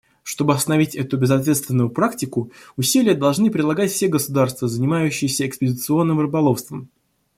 Чтобы остановить эту безответственную практику, усилия должны прилагать все государства, занимающиеся экспедиционным рыболовством.